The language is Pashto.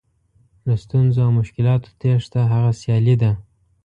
له ستونزو او مشکلاتو تېښته هغه سیالي ده.